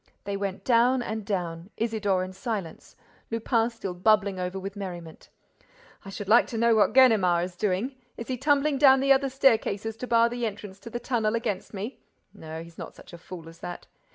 They went down and down, Isidore in silence, Lupin still bubbling over with merriment: "I should like to know what Ganimard is doing? Is he tumbling down the other staircases to bar the entrance to the tunnel against me? No, he's not such a fool as that.